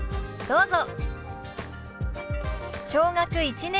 どうぞ。